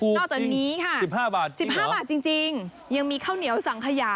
นอกจากนี้ค่ะสิบห้าบาทสิบห้าบาทจริงจริงยังมีข้าวเหนียวสังขยะ